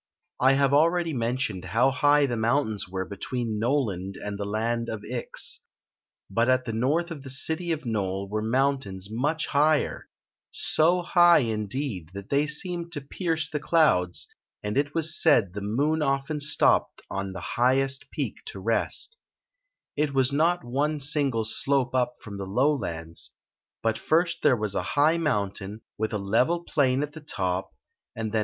I HAVE already mentioned how high the mountains were between Noland and the land of Ix; but at the north of the city of Nole were mountains much higher — so high, indeed, that they seemed to pierce the clouds, and it was said the moon often stopped on the highest peak to rest It was not one single slope up from the lowlands; but first there was a high mou "^^in, with a level plain at the top; and then anothc.'